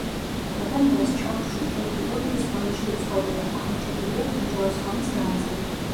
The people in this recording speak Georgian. ადამიანს ჩაქვში ჯერ კიდევ ქვის ხანაში უცხოვრია, აღმოჩენილია ბრინჯაოს ხანის განძი.